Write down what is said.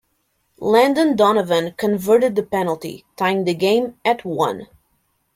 Landon Donovan converted the penalty, tying the game at one.